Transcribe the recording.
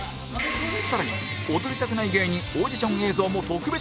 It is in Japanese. さらに踊りたくない芸人オーディション映像も特別配信